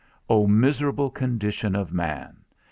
O miserable condition of man!